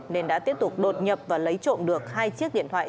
nên đã tiếp tục đột nhập và lấy trộm được hai chiếc điện thoại